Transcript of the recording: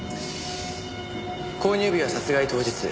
購入日は殺害当日。